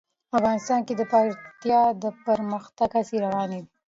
افغانستان کې د پکتیا د پرمختګ هڅې روانې دي.